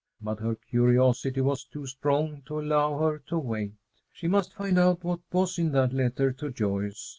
But her curiosity was too strong to allow her to wait. She must find out what was in that letter to Joyce.